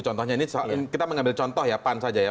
contohnya ini kita mengambil contoh ya pan saja ya